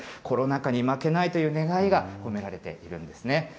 コロナ禍に負けないという願いが込められているんですね。